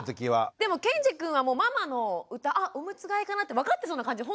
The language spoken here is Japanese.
でもけんじくんはもうママの歌あっおむつ替えかなって分かってそうな感じほんとしましたよね。